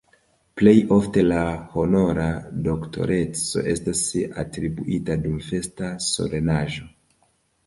Plej ofte la honora doktoreco estas atribuita dum festa solenaĵo.